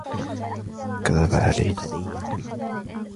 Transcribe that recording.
كذب علينا.